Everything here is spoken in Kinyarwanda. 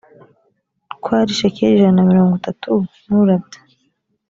kwari shekeli ijana na mirongo itatu n urabya